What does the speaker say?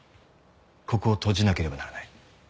ここを閉じなければならない。